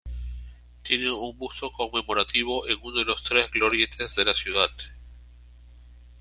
Tiene un busto conmemorativo en una de los tres glorietas de la ciudad.